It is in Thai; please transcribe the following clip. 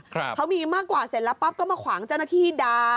เขามีมากกว่าเสร็จแล้วปั๊บก็มาขวางเจ้าหน้าที่ด่า